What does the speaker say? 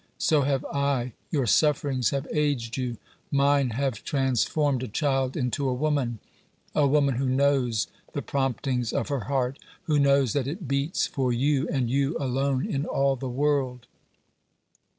So have I. Your sufferings have aged you; mine have transformed a child into a woman a woman who knows the promptings of her heart, who knows that it beats for you, and you alone in all the world.